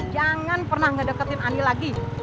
jangan pernah ngedeketin ani lagi